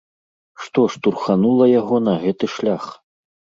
Што штурханула яго на гэты шлях?